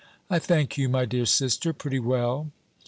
"I thank you, my dear sister, pretty well."